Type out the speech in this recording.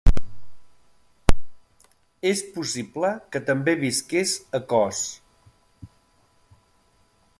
És possible que també visqués a Kos.